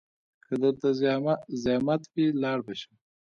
که درته زيامت وي لاړ به سم.